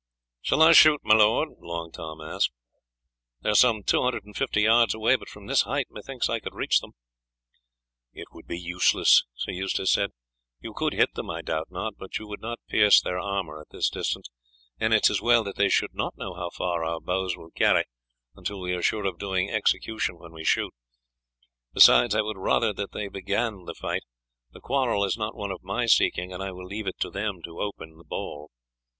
"Shall I shoot, my lord?" Long Tom asked. "They are some two hundred and fifty yards away, but from this height methinks that I could reach them." "It would be useless," Sir Eustace said; "you could hit them, I doubt not, but you would not pierce their armour at this distance, and it is as well that they should not know how far our bows will carry until we are sure of doing execution when we shoot; besides I would rather that they began the fight. The quarrel is not one of my seeking, and I will leave it to them to open the ball.